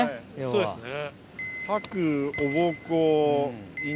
そうですね。